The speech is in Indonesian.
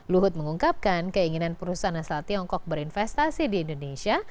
luhut mengungkapkan keinginan perusahaan asal tiongkok berinvestasi di indonesia